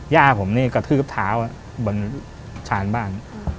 ย่าผมนี่กระทืบเท้าบนชานบ้าน